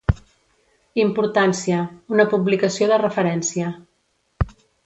Importància: una publicació de referència.